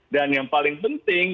dan yang paling penting